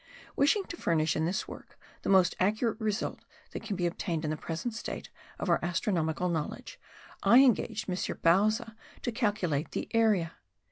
Wishing to furnish in this work the most accurate result that can be obtained in the present state of our astronomical knowledge, I engaged M. Bauza to calculate the area.